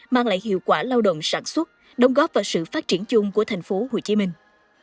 mang lại hiệu quả lao động sản xuất đồng góp vào sự phát triển chung của thành phố hồ chí minh